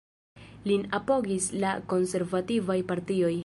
Lin apogis la konservativaj partioj.